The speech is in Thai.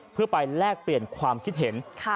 เพื่อไปแลกเปลี่ยนความคิดเห็น